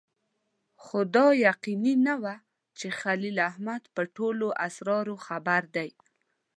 خو دا یقیني نه وه چې خلیل احمد په ټولو اسرارو خبر دی.